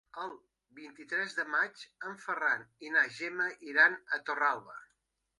El vint-i-tres de maig en Ferran i na Gemma iran a Torralba.